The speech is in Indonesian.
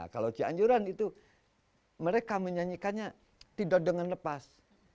kalau cianjuran itu mereka menyanyikannya tidak dengan lepas